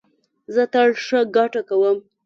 زه تل ښه ګټه کوم